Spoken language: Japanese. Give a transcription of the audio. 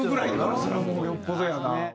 それはもうよっぽどやな。